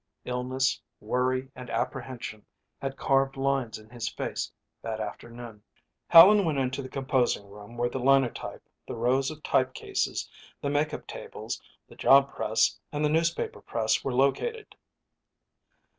Illness, worry and apprehension had carved lines in his face that afternoon. Helen went into the composing room where the Linotype, the rows of type cases, the makeup tables, the job press and the newspaper press were located.